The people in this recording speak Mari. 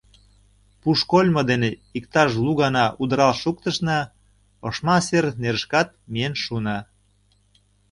Пушкольмо дене иктаж лу гана удырал шуктышна — ошма сер нерышкат миен шуна.